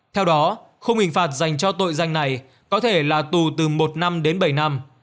theo đó khung hình phạt dành cho tội danh này có thể là tù từ một năm đến bảy năm